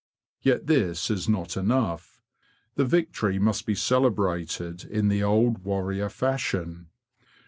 Yet this is not enough. The victory must be celebrated in the old warrior fashion.